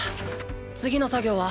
次の作業は？